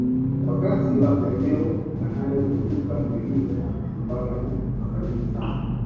wakazi wa maeneo yanayozunguka milima ya usambara ni wakarimu sana